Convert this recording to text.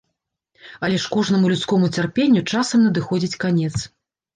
Але ж кожнаму людскому цярпенню часам надыходзіць канец.